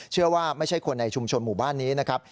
เชื่อว่าไม่ใช่คนในชุมชนหมู่บ้านนี้นะครับ